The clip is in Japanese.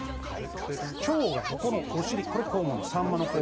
腸がここのお尻これ肛門です。